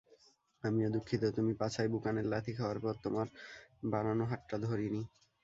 আমিও দুঃখিত, তুমি পাছায় বুকানের লাথি খাওয়ার পর তোমার বাড়ানো হাতটা ধরিনি।